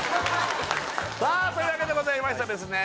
さあというわけでございましてですね